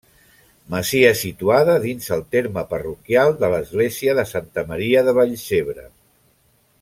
Masia situada dins el terme parroquial de l'església de Santa Maria de Vallcebre.